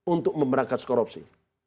untuk memberangkat korupsi